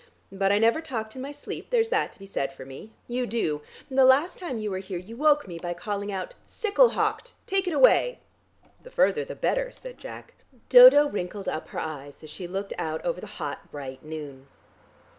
But I never talked in my sleep; there's that to be said for me. You do: last time you were here you woke me by calling out, 'Sickle hocked: take it away.'" "The further the better," said Jack. Dodo wrinkled up her eyes as she looked out over the hot, bright noon.